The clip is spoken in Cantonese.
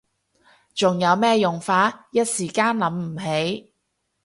仲有咩用法？一時間諗唔起